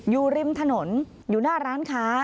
อยู่ริมถนนอยู่หน้าร้านค้า